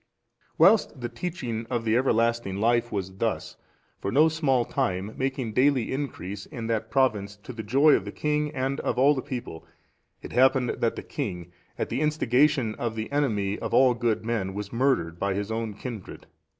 Whilst the teaching of the everlasting life was thus, for no small time, making daily increase in that province to the joy of the king and of all the people, it happened that the king, at the instigation of the enemy of all good men, was murdered by his own kindred.